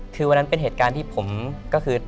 คือวันนั้นเป็นเหตุการณ์ที่ผมก็คือ